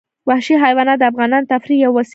وحشي حیوانات د افغانانو د تفریح یوه وسیله ده.